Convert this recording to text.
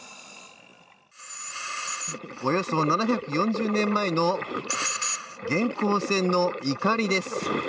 およそ７４０年前の元寇船のいかりです。